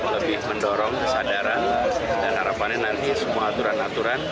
lebih mendorong kesadaran dan harapannya nanti semua aturan aturan